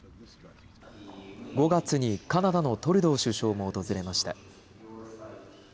５月にカナダのトルドー首相も訪れました。